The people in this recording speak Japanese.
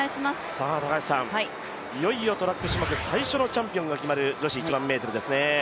いよいよトラック種目、最初のチャンピオンが決まる女子１００００ｍですね。